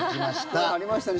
何かありましたね